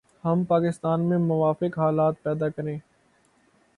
ہم پاکستان میں موافق حالات پیدا کریں